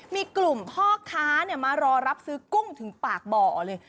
มีกลุ่มพ่อค้ามารอรับซื้อกุ้งถึงปากบ่อเลย